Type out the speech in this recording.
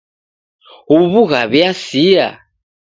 Huw'u ghaw'iasia.